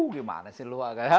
gimana sih lu agak